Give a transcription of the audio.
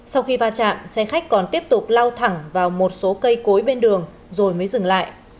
sau khi va chạm xe khách còn tiếp tục lao thẳng vào một số cây cối bên đường rồi mới dừng lại